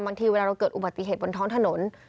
บางทีเวลาเราเกิดอุบัติเหตุบนท้องถนน